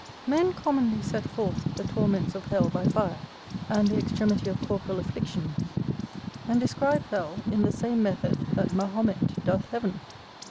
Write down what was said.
Men commonly set forth the torments of hell by fire, and the extremity of corporal afflictions, and describe hell in the same method that Mahomet doth heaven.